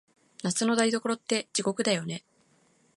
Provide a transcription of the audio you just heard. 夏の台所って、地獄だよね。